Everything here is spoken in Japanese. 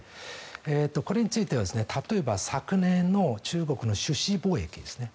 これについては例えば昨年の中国の種子貿易ですね